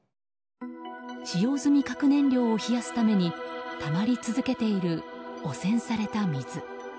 使用済み核燃料を冷やすためにたまり続けている汚染された水。